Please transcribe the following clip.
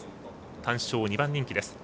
単勝２番人気です。